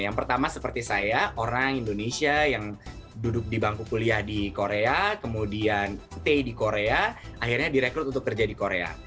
yang pertama seperti saya orang indonesia yang duduk di bangku kuliah di korea kemudian stay di korea akhirnya direkrut untuk kerja di korea